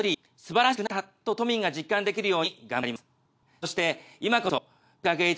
以前よりすばらしくなったと都民が実感できるように頑張ります。